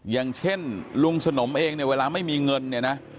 อย่างเช่นลุงสนมเองเนี่ยเวลาไม่มีเงินเนี่ยนะ